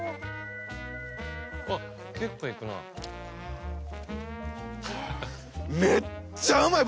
あっ結構いくなぁ。